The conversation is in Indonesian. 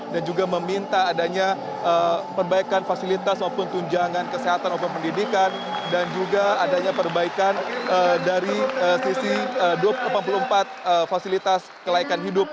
dan juga meminta adanya perbaikan fasilitas maupun tunjangan kesehatan maupun pendidikan dan juga adanya perbaikan dari sisi dua puluh empat fasilitas kelaikan hidup